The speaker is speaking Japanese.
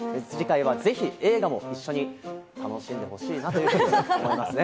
ぜひ次回は映画も一緒に楽しんでほしいなと思いますね。